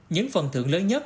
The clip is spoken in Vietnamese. những phần thưởng lớn nhất